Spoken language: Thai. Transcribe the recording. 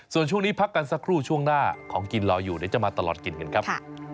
ส่วนช่วงนี้พักกันสักครู่ช่วงหน้าของกินรออยู่เดี๋ยวจะมาตลอดกินกันครับ